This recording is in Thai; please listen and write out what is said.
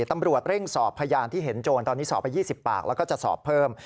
ตำรวจเร่งสอบพยานที่เห็นโจรตอนนี้สอบไป๒๐ปากแล้วก็จะสอบเพิ่ม